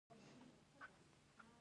د افغانستان شمال ته ترکمنستان پروت دی